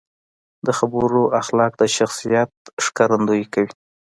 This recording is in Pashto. د خبرو اخلاق د شخصیت ښکارندويي کوي.